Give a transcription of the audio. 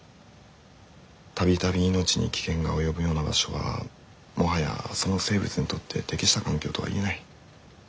度々命に危険が及ぶような場所はもはやその生物にとって適した環境とは言えない。